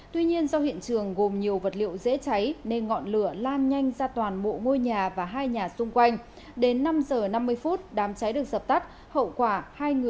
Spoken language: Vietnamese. tuy nhiên do hiện trường gồm nhiều vật liệu dễ cháy nên ngọn lửa lan nhanh ra toàn mộ ngôi nhà và hai nhà xung quanh